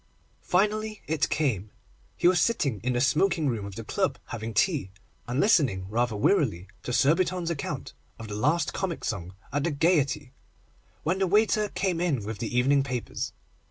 Finally it came. He was sitting in the smoking room of the club having tea, and listening rather wearily to Surbiton's account of the last comic song at the Gaiety, when the waiter came in with the evening papers.